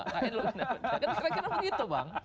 kenapa begitu bang